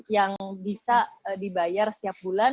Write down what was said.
yang bisa dibayar setiap bulan